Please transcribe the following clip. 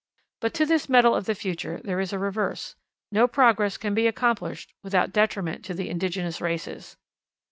But to this medal of the future there is a reverse. No progress can be accomplished without detriment to the indigenous races.